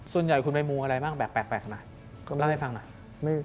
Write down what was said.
ส่วนใหญ่คุณไปมูอะไรบ้างแบบแปลกขนาดก็เล่าให้ฟังหน่อย